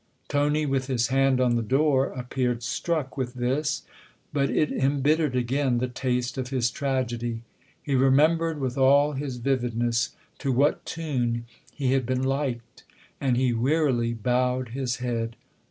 Tony, with his hand on the door, appeared struck with this ; but it embittered again the taste of his tragedy. He remembered with all his vividness to what tune he had been "liked," and he wearily bowed his head.